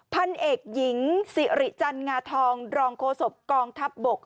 พันเอกหญิงสิริจันงาทองรองโฆษกองทัพบก